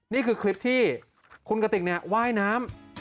นี่คือคลิปที่คุณกติกว่ายน้ำ